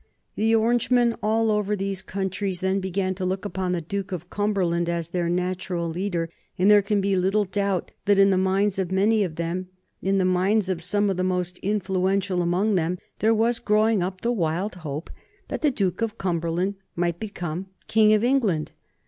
The Orangemen all over these countries then began to look upon the Duke of Cumberland as their natural leader, and there can be little doubt that in the minds of many of them, in the minds of some of the most influential among them, there was growing up the wild hope that the Duke of Cumberland might become King of England.